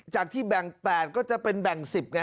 จากที่แบ่ง๘ก็จะเป็นแบ่ง๑๐ไง